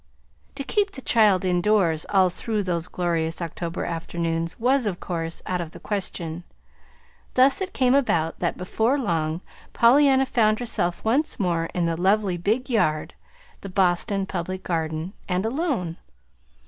To keep the child indoors all through those glorious October afternoons was, of course, out of the question. Thus it came about that, before long, Pollyanna found herself once more in the "lovely big yard" the Boston Public Garden and alone.